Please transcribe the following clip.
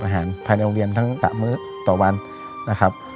ภายในโรงเรียนทั้งมื้อต่อวันนะครับ